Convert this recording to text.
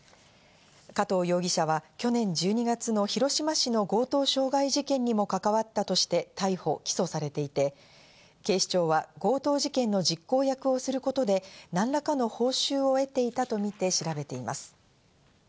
加藤容疑者は去年１２月の広島市の強盗傷害事件にも関わったとして逮捕・起訴されていて、警視庁は強盗事件の実行役をすることで何らかの報酬を得ていたとみて調べています。